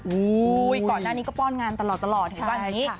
โอ้ยก่อนหน้านี้ก็ป้อนงานตลอดใช่ป่ะ